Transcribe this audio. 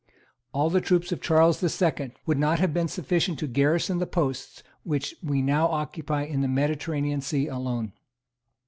All the troops of Charles II. would not have been sufficient to garrison the posts which we now occupy in the Mediterranean Sea alone.